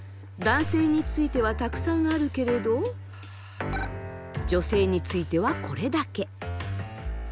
男性についてはたくさんあるけれど女性についてはこれだけ。